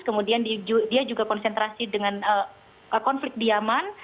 kemudian dia juga konsentrasi dengan konflik diaman